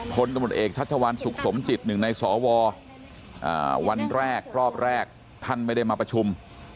คนทุกคนเอกชัชวัณสุขสมจิต๑ในสววันแรกกรอบแรกท่านไม่ได้มาประชุม